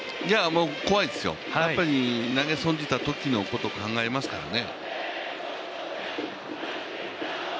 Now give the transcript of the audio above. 怖いですよ、投げ損じたときのことを考えますからね。